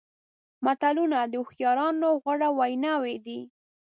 متلونه د هوښیارانو غوره ویناوې دي.